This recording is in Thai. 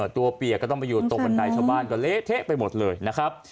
เปียกก็ต้องไปอยู่ตรงบันไดชาวบ้านก็เละเทะไปหมดเลยนะครับ